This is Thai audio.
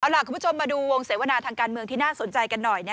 เอาล่ะคุณผู้ชมมาดูวงเสวนาทางการเมืองที่น่าสนใจกันหน่อย